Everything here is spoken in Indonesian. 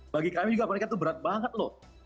bagi kami juga mereka itu berat banget loh